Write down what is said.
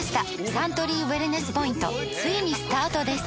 サントリーウエルネスポイントついにスタートです！